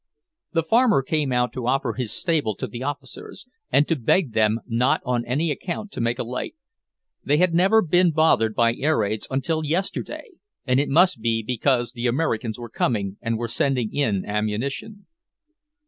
The farmer came out to offer his stable to the officers, and to beg them not on any account to make a light. They had never been bothered here by air raids until yesterday, and it must be because the Americans were coming and were sending in ammunition.